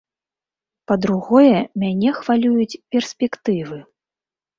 Па-другое, мяне хвалююць перспектывы.